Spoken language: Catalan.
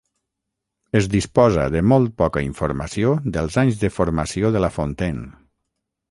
Es disposa de molt poca informació dels anys de formació de La Fontaine.